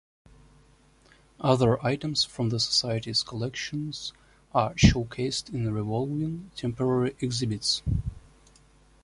Other items from the society's collections are showcased in revolving, temporary exhibits.